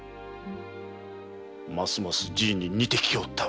ますますじいに似てきおったわ！